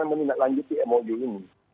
dan meminatlanjuti mou ini